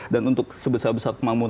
dan untuk sebesar besar kemamuran